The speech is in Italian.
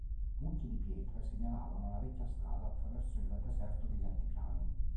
Mucchi di pietre segnalano la vecchia strada attraverso il deserto degli altipiani.